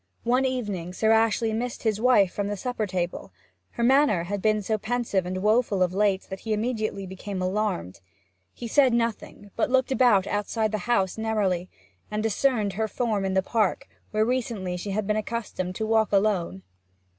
One evening Sir Ashley missed his wife from the supper table; her manner had been so pensive and woeful of late that he immediately became alarmed. He said nothing, but looked about outside the house narrowly, and discerned her form in the park, where recently she had been accustomed to walk alone.